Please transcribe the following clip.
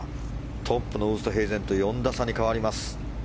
トップのウーストヘイゼンと４打差に変わります。